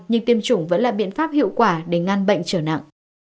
nhưng tiêm chủng vẫn là biện pháp hiệu quả để ngăn bệnh trở nặng